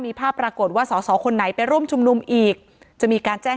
มีภาพปรากฏว่าสอสอคนไหนไปร่วมชุมนุมอีกจะมีการแจ้ง